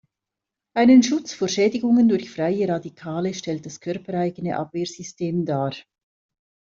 Einen Schutz vor Schädigungen durch freie Radikale stellt das körpereigene Abwehrsystem dar.